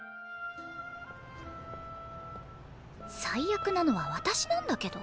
最悪なのは私なんだけど。